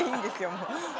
もう。